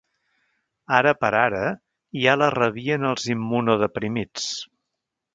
Ara per ara, ja la rebien els immunodeprimits.